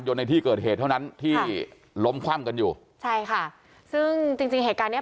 ในที่เกิดเหตุเท่านั้นที่ล้มคว่ำกันอยู่ใช่ค่ะซึ่งจริงจริงเหตุการณ์เนี้ย